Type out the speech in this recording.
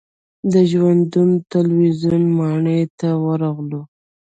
د ژوندون تلویزیون ماڼۍ ته ورغلو.